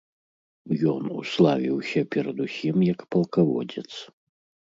Ён уславіўся перадусім як палкаводзец.